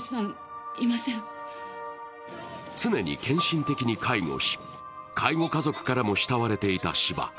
常に献身的に介護し介護家族からも慕われていた斯波。